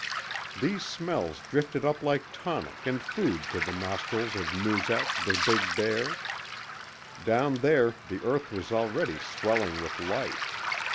These smells drifted up like tonic and food to the nostrils of Noozak the big bear. Down there the earth was already swelling with life.